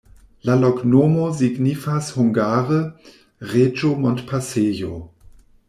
La loknomo signifas hungare: reĝo-montpasejo.